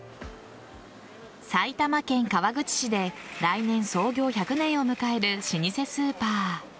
埼玉県川口市で来年、創業１００年を迎える老舗スーパー。